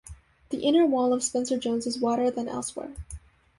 The inner wall of Spencer Jones is wider than elsewhere.